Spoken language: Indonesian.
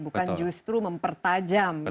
bukan justru mempertajam